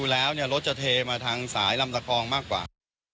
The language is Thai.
แล้วรถจะเทมาทางสายลำตะคองมากกว่า